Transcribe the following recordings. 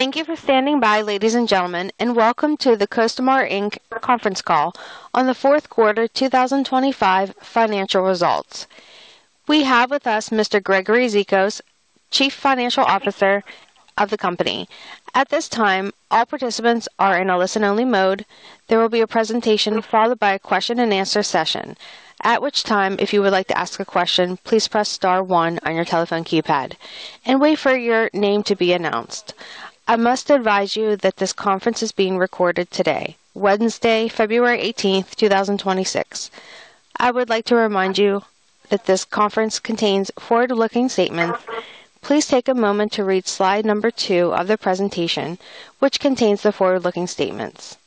Thank you for standing by, ladies and gentlemen, and welcome to the Costamare Inc. conference call on the fourth quarter 2025 financial results. We have with us Mr. Gregory Zikos, Chief Financial Officer of the company. At this time, all participants are in a listen-only mode. There will be a presentation followed by a question and answer session, at which time, if you would like to ask a question, please press star one on your telephone keypad and wait for your name to be announced. I must advise you that this conference is being recorded today, Wednesday, February 18th, 2026. I would like to remind you that this conference contains forward-looking statements. Please take a moment to read slide number two of the presentation, which contains the forward-looking statements.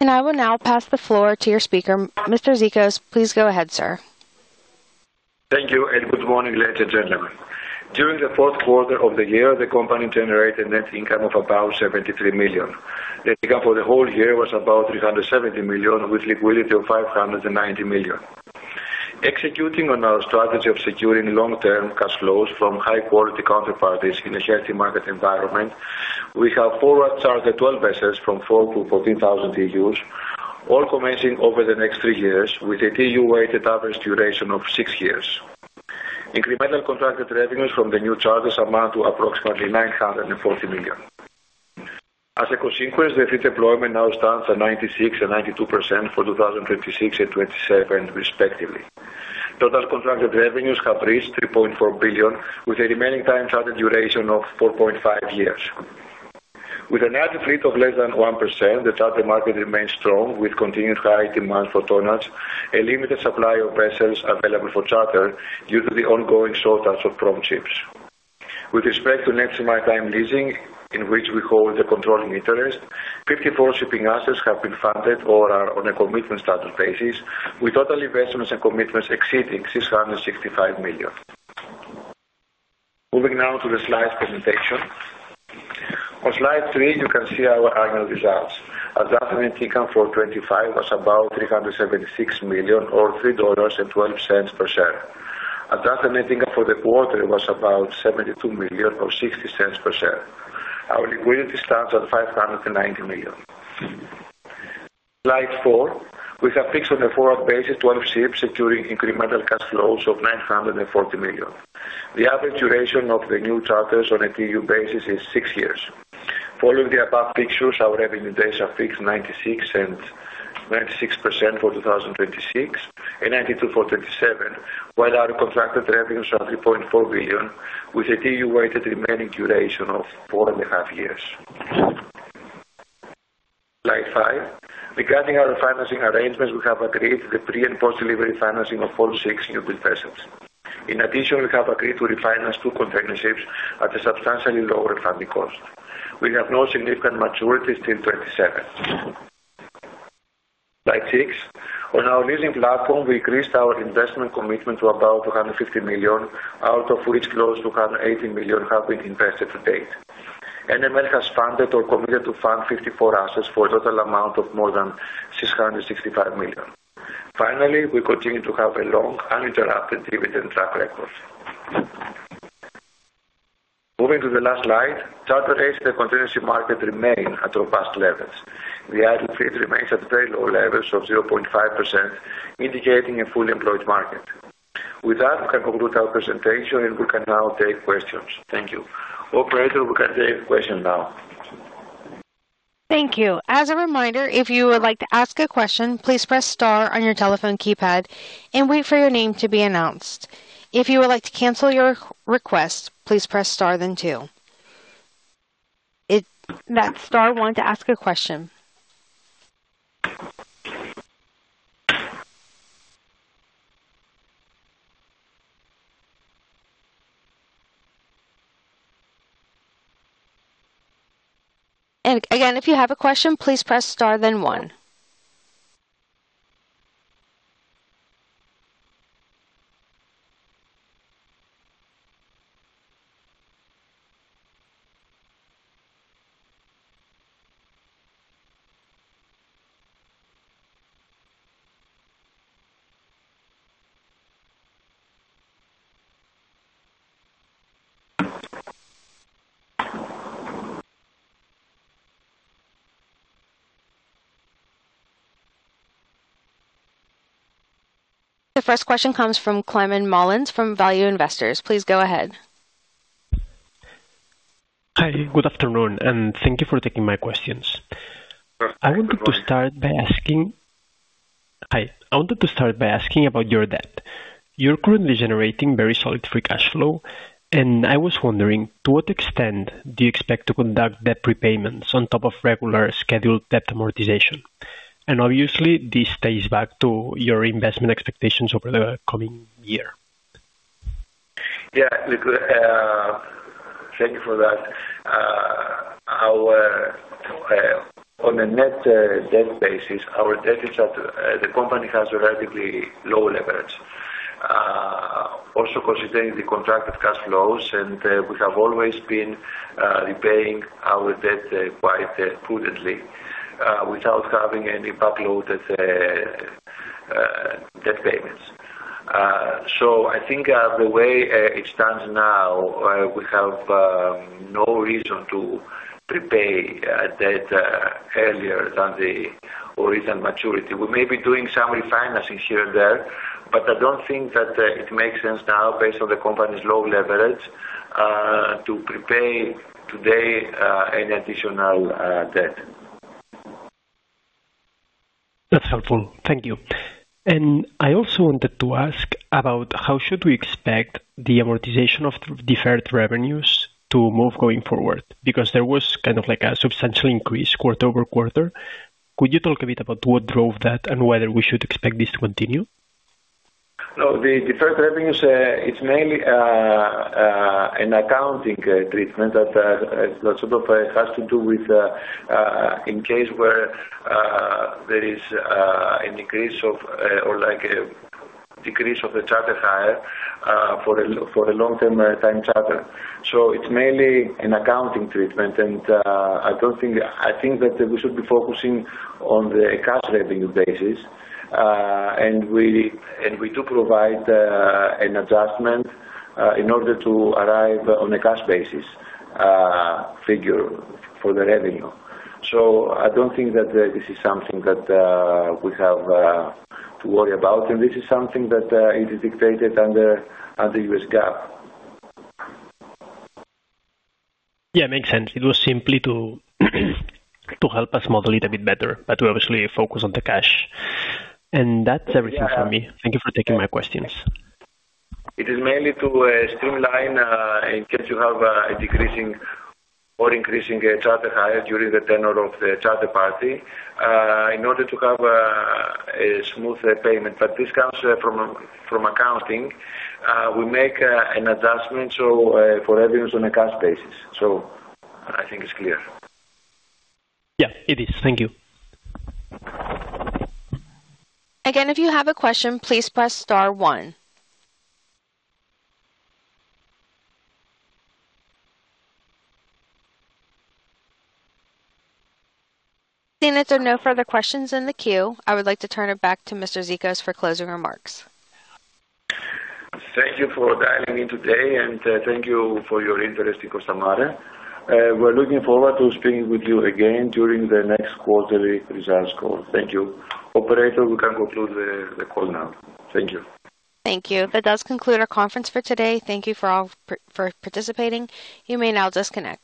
I will now pass the floor to your speaker. Mr. Zikos, please go ahead, sir. Thank you, and good morning, ladies and gentlemen. During the fourth quarter of the year, the company generated net income of about $73 million. The income for the whole year was about $370 million, with liquidity of $590 million. Executing on our strategy of securing long-term cash flows from high-quality counterparties in a healthy market environment, we have forward-chartered 12 vessels from 4,000 to 14,000 TEUs, all commencing over the next 3 years with a TEU weighted average duration of six years. Incremental contracted revenues from the new charters amount to approximately $940 million. As a consequence, the fleet deployment now stands at 96% and 92% for 2026 and 2027, respectively. Total contracted revenues have reached $3.4 billion, with a remaining time charter duration of 4.5 years. With an idle fleet of less than 1%, the charter market remains strong, with continued high demand for tonnage, a limited supply of vessels available for charter due to the ongoing shortage of new ships. With respect to Neptune Maritime Leasing, in which we hold the controlling interest, 54 shipping assets have been funded or are on a commitment status basis, with total investments and commitments exceeding $665 million. Moving now to the slides presentation. On slide three, you can see our annual results. Adjusted net income for 2025 was about $376 million or $3.12 per share. Adjusted net income for the quarter was about $72 million, or $0.60 per share. Our liquidity stands at $590 million. Slide four. We have fixed on a forward basis 12 ships, securing incremental cash flows of $940 million. The average duration of the new charters on a TEU basis is six years. Following the above fixtures, our revenue days are fixed 96% and 96% for 2026 and 92% for 2027, while our contracted revenues are $3.4 billion, with a TEU weighted remaining duration of 4.5 years. Slide five. Regarding our financing arrangements, we have agreed to the pre- and post-delivery financing of all six newbuild vessels. In addition, we have agreed to refinance two container ships at a substantially lower funding cost. We have no significant maturities till 2027. Slide six. On our leasing platform, we increased our investment commitment to about $250 million, out of which close to $280 million have been invested to date. NML has funded or committed to fund 54 assets for a total amount of more than $665 million. Finally, we continue to have a long, uninterrupted dividend track record. Moving to the last slide. Charter rates in the container market remain at robust levels. The added fleet remains at very low levels of 0.5%, indicating a fully employed market. With that, we can conclude our presentation, and we can now take questions. Thank you. Operator, we can take questions now. Thank you. As a reminder, if you would like to ask a question, please press star on your telephone keypad and wait for your name to be announced. If you would like to cancel your request, please press star then two. That's star one to ask a question. And again, if you have a question, please press star, then one. The first question comes from Climent Molins from Value Investors. Please go ahead. Hi, good afternoon, and thank you for taking my questions. Good morning. I wanted to start by asking about your debt. You're currently generating very solid free cash flow, and I was wondering, to what extent do you expect to conduct debt repayments on top of regular scheduled debt amortization? And obviously, this stays back to your investment expectations over the coming year. Yeah, we could. Thank you for that. On a net debt basis, our debt is up. The company has a relatively low leverage. Also considering the contracted cash flows, we have always been repaying our debt quite prudently without having any backloaded debt payments. So I think the way it stands now, we have no reason to prepay debt earlier than the original maturity. We may be doing some refinancing here and there, but I don't think that it makes sense now based on the company's low leverage to prepay today any additional debt. That's helpful. Thank you. And I also wanted to ask about how should we expect the amortization of deferred revenues to move going forward? Because there was kind of like a substantial increase QoQ. Could you talk a bit about what drove that and whether we should expect this to continue? No, the deferred revenues, it's mainly an accounting treatment that sort of has to do with in case where there is an increase of or like a decrease of the charter hire for a long-term time charter. So it's mainly an accounting treatment, and I don't think... I think that we should be focusing on the cash revenue basis. And we do provide an adjustment in order to arrive on a cash basis figure for the revenue. So I don't think that this is something that we have to worry about, and this is something that it is dictated under US GAAP. Yeah, makes sense. It was simply to help us model it a bit better, but we obviously focus on the cash. That's everything from me. Yeah. Thank you for taking my questions. It is mainly to streamline, in case you have a decreasing or increasing charter hire during the tenure of the charter party, in order to have a smoother payment. But this comes from accounting. We make an adjustment, so for revenues on a cash basis. So I think it's clear. Yeah, it is. Thank you. Again, if you have a question, please press star one. Seeing that there are no further questions in the queue, I would like to turn it back to Mr. Zikos for closing remarks. Thank you for dialing in today, and, thank you for your interest in Costamare. We're looking forward to speaking with you again during the next quarterly results call. Thank you. Operator, we can conclude the call now. Thank you. Thank you. That does conclude our conference for today. Thank you all for participating. You may now disconnect.